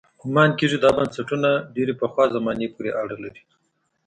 ګومان کېږي دا بنسټونه ډېرې پخوا زمانې پورې اړه لري.